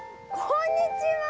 こんにちは。